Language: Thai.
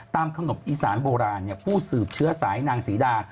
ขนมอีสานโบราณผู้สืบเชื้อสายนางศรีดา